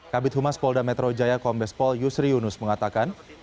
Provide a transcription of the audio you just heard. kabit humas polda metro jaya kombespol yusri yunus mengatakan